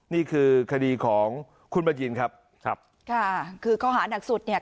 นี่คือคดีของคุณบัญญินครับครับค่ะคือข้อหานักสุดเนี่ย